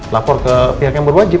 lapor ke pihak yang berwajib